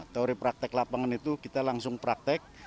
teori praktek lapangan itu kita langsung praktek